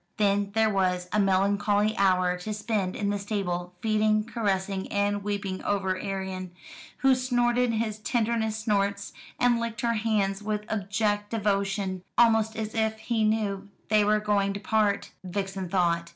Then there was a melancholy hour to spend in the stable, feeding, caressing, and weeping over Arion, who snorted his tenderest snorts, and licked her hands with abject devotion almost as if he knew they were going to part, Vixen thought.